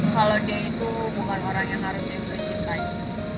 kalau dia itu bukan orang yang harus dipercaya